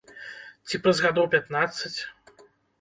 Ці праз гадоў пятнаццаць?